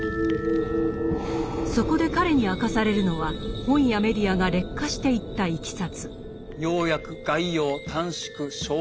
そこで彼に明かされるのは本やメディアが劣化していったいきさつ。